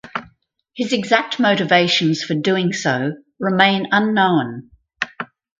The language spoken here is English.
His exact motivations for doing so remain unknown.